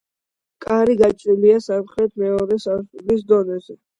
კარი გაჭრილია სამხრეთით მეორე სართულის დონეზე.